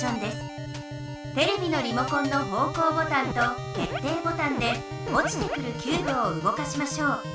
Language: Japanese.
テレビのリモコンの方向ボタンと決定ボタンでおちてくるキューブをうごかしましょう。